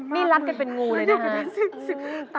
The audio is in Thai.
นี่รัดกันเป็นงูเลยนะ